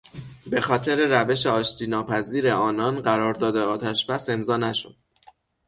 به خاطر روش آشتیناپذیر آنان قرار داد آتشبس امضا نشد.